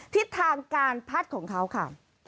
ทิศทางการพัดของเขาค่ะ